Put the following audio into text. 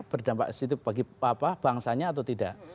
berdampak positif bagi bangsanya atau tidak